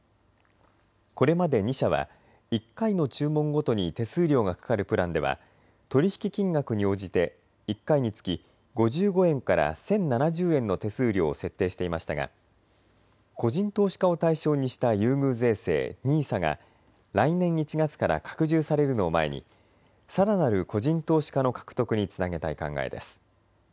これまで２社は１回の注文ごとに手数料がかかるプランでは取り引き金額に応じて１回につき５５円から１０７０円の手数料を設定していましたが個人投資家を対象にした優遇税制、ＮＩＳＡが来年１月から拡充されるのを前にさらなる個人投資家の獲得につなげたい考えです。